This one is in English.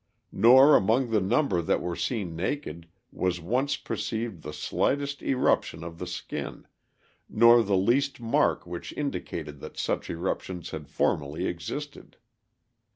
Nor, among the number that were seen naked, was once perceived the slightest eruption of the skin, nor the least mark which indicated that such eruptions had formerly existed.